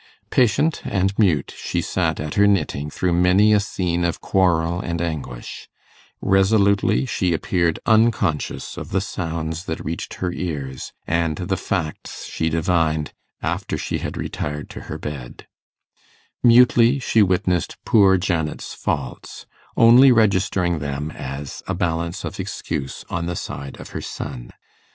Patient and mute she sat at her knitting through many a scene of quarrel and anguish; resolutely she appeared unconscious of the sounds that reached her ears, and the facts she divined after she had retired to her bed; mutely she witnessed poor Janet's faults, only registering them as a balance of excuse on the side of her son.